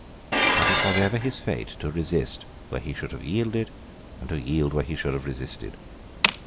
But it was ever his fate to resist where he should have yielded, and to yield where he should have resisted.